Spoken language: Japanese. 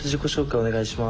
お願いします。